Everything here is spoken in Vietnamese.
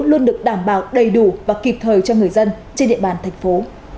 luôn được đảm bảo đầy đủ và kịp thời cho người dân trên địa bàn thành phố